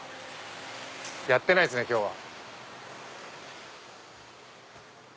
やってないですね今日は。